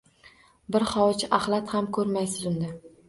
Bir hovuch ahlat ham ko’rmaysiz unda.